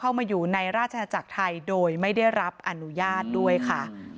เข้ามาอยู่ในราชนาจักรไทยโดยไม่ได้รับอนุญาตด้วยค่ะ